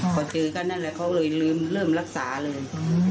พอเจอก็นั่นแหละเขาเลยลืมเริ่มรักษาเลย